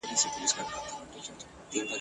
ړوند سړی په یوه ښار کي اوسېدلی ..